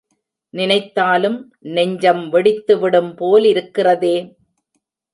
நினைத்தாலும் நெஞ்சம் வெடித்துவிடும் போலிருக்கிறதே!